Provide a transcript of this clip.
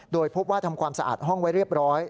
โดยพบว่าทำความสะอาดห้องไว้เรียบร้อย